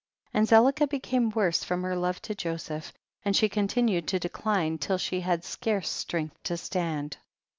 39. And Zelicah became worse from her love to Joseph, and she con tinued to decline, till she had scarce strength to stand.